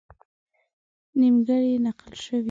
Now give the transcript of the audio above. نیمګړې نقل شوې.